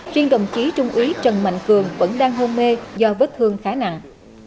riêng đồng chí trung úy trần mạnh cường vẫn đang hôn mê do vết thương khá nặng